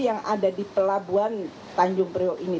yang ada di pelabuhan tanjung priok ini